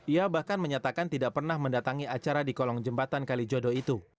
ia bahkan menyatakan tidak pernah mendatangi acara di kolong jembatan kalijodo itu